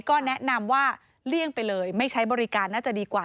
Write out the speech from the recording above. ก็แนะนำว่าเลี่ยงไปเลยไม่ใช้บริการน่าจะดีกว่า